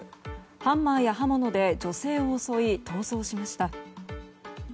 ハンマーや刃物で女性を襲い逃走しました。